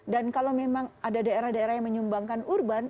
dan kalau memang ada daerah daerah yang menyumbangkan urban